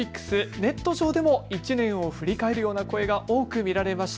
ネット上でも１年を振り返るような声が多く見られました。